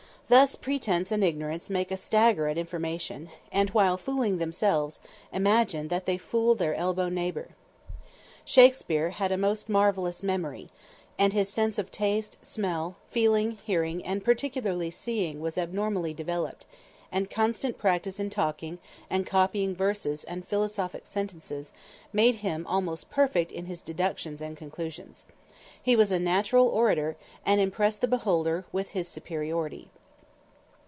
Thus pretense and ignorance make a stagger at information, and while fooling themselves, imagine that they fool their elbow neighbor! Shakspere had a most marvelous memory, and his sense of taste, smell, feeling, hearing and particularly seeing was abnormally developed, and constant practice in talking and copying verses and philosophic sentences made him almost perfect in his deductions and conclusions. He was a natural orator, and impressed the beholder with his superiority.